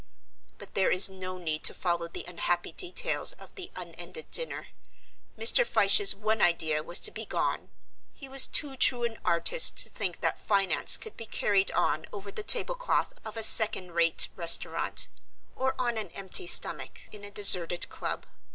But there is no need to follow the unhappy details of the unended dinner. Mr. Fyshe's one idea was to be gone: he was too true an artist to think that finance could be carried on over the table cloth of a second rate restaurant, or on an empty stomach in a deserted club.